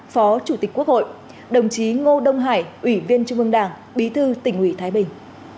phó chủ tịch quốc hội đồng chí ngô đông hải ủy viên trung ương đảng bí thư tỉnh ủy thái bình